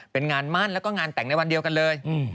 เป็นงานมั่นแล้วก็งานแต่งในวันเดียวกันเลย